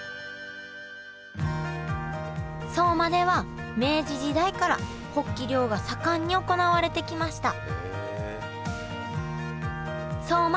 相馬では明治時代からホッキ漁が盛んに行われてきました